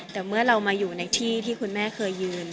แต่เมื่อเรามาอยู่ในที่ที่คุณแม่เคยยืน